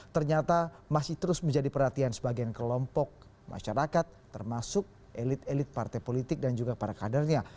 ternyata masih terus menjadi perhatian sebagian kelompok masyarakat termasuk elit elit partai politik dan juga para kadernya